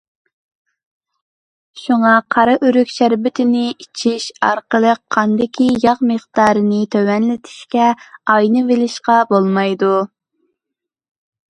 شۇڭا قارىئۆرۈك شەربىتى ئىچىش ئارقىلىق قاندىكى ياغ مىقدارىنى تۆۋەنلىتىشكە تايىنىۋېلىشقا بولمايدۇ.